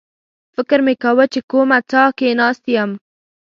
فکر مې کاوه چې په کومه څاه کې ناست یم.